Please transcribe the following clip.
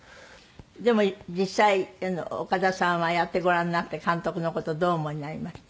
でも実際岡田さんはやってごらんになって監督の事どうお思いになりました？